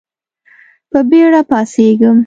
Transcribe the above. په بېړه پاڅېږم .